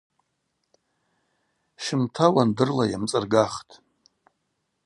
Щымта уандырла йамцӏыргахтӏ.